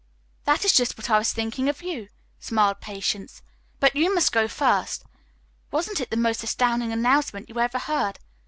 "That is just what I was thinking of you," smiled Patience. "But you must go first. Wasn't it the most astounding announcement you ever heard.